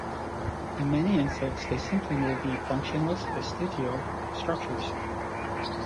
In many insects, they simply may be functionless vestigial structures.